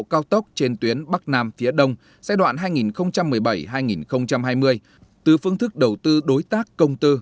cao tốc trên tuyến bắc nam phía đông giai đoạn hai nghìn một mươi bảy hai nghìn hai mươi từ phương thức đầu tư đối tác công tư